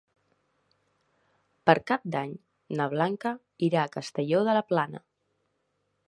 Per Cap d'Any na Blanca irà a Castelló de la Plana.